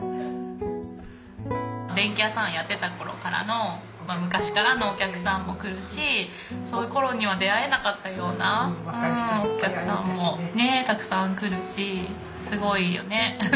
電気屋さんやってた頃からの昔からのお客さんも来るしその頃には出会えなかったようなお客さんもたくさん来るしすごいよね。